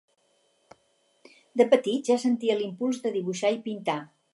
De petit ja sentia l'impuls de dibuixar i pintar.